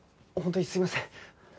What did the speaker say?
本当にすいません。